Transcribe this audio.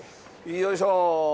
よいしょ。